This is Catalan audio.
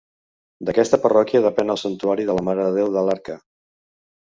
D'aquesta parròquia depèn el santuari de la Mare de Déu de l'Arca.